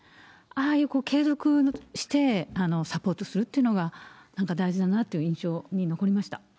ああいう継続して、サポートするっていうのが、なんか、大事だなっていう印象が残りました。